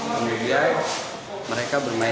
kemudian mereka berjudi